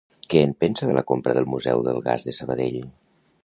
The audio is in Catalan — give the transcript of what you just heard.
Què en pensa de la compra del Museu del Gas de Sabadell?